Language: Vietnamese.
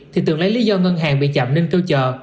thì tường lấy lý do ngân hàng bị chạm nên kêu chờ